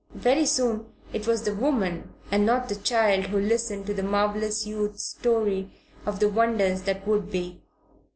Very soon it was the woman and not the child who listened to the marvellous youth's story of the wonders that would be.